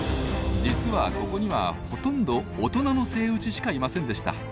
実はここにはほとんど大人のセイウチしかいませんでした。